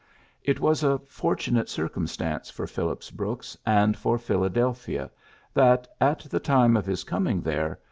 It was a fortunate circumstance for Phillips Brooks and for Philadelphia that, at the time of his coming there.